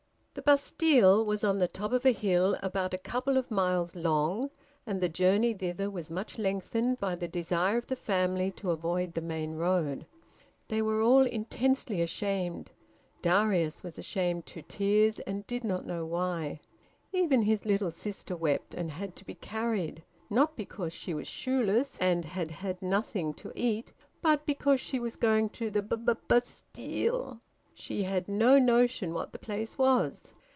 The Bastille was on the top of a hill about a couple of miles long, and the journey thither was much lengthened by the desire of the family to avoid the main road. They were all intensely ashamed; Darius was ashamed to tears, and did not know why; even his little sister wept and had to be carried, not because she was shoeless and had had nothing to eat, but because she was going to the Ba ba bastille; she had no notion what the place was.